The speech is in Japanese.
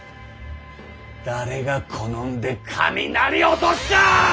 誰が好んで雷落とすか！